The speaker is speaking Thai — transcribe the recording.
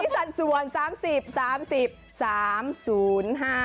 สูตรปุ๋ยมัน๖๐